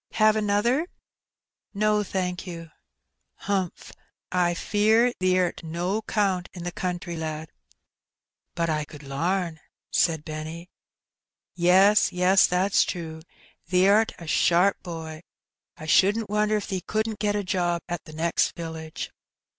Have another?" "No, thank you." "Humph. I fear thee'rt no 'count in the country, lad." "But I could lam," said Benny. "Yes, yes, that's true; thee'rt a sharp boy. I shouldn't wonder if thee couldn't get a job at t' next village."